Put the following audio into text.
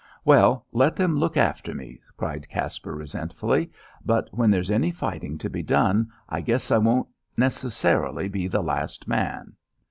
"Well, let them look after me," cried Caspar resentfully; "but when there's any fighting to be done I guess I won't necessarily be the last man."